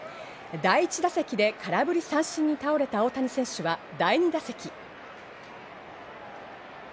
第１打席で空振り三振に倒れた大谷選手は第２打席。